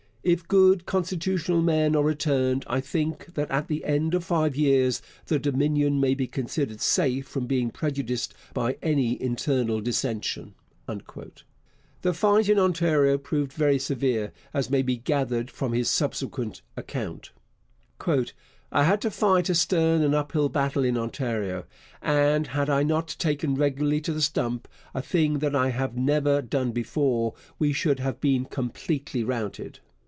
If good Constitutional men are returned, I think that at the end of five years the Dominion may be considered safe from being prejudiced by any internal dissension. The fight in Ontario proved very severe, as may be gathered from his subsequent account: I had to fight a stern and up hill battle in Ontario, and had I not taken regularly to the stump, a thing that I have never done before, we should have been completely routed.